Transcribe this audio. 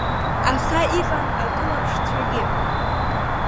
Аха иҟан акылԥшцәагьы.